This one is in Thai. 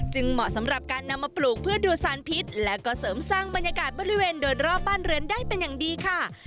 เหมาะสำหรับการนำมาปลูกเพื่อดูสารพิษและก็เสริมสร้างบรรยากาศบริเวณโดยรอบบ้านเรือนได้เป็นอย่างดีค่ะ